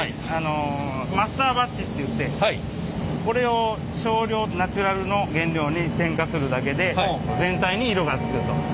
マスターバッチっていってこれを少量ナチュラルの原料に添加するだけで全体に色がつくと。